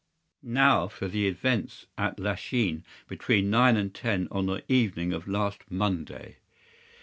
"Now for the events at Lachine between nine and ten on the evening of last Monday."